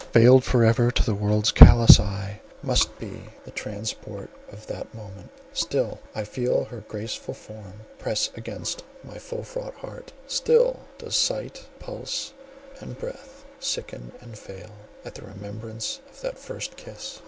Veiled for ever to the world's callous eye must be the transport of that moment. Still do I feel her graceful form press against my full fraught heart—still does sight, and pulse, and breath sicken and fail, at the remembrance of that first kiss.